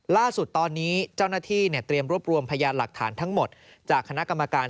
ล่าสุดตอนนี้เจ้าหน้าที่เตรียมรวบรวมพยานหลักฐานทั้งหมดจากคณะกรรมการ